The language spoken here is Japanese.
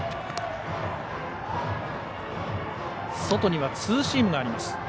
外にはツーシームがあります。